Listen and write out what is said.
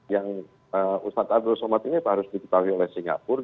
yang ustadz abdul somad ini harus diketahui oleh singapura